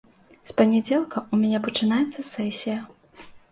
З панядзелка ў мяне пачынаецца сесія.